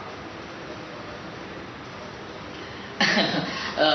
jadi kemarin pas saya mengambil frame luasnya pak saya tidak bicara cuma pilkada dki kalau begitu